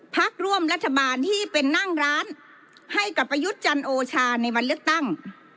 พักร่วมรัฐบาลที่เป็นนั่งร้านให้กับประยุทธ์จันโอชาในวันเลือกตั้ง